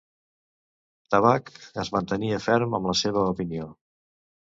Tabac es mantenia ferm en la seva opinió.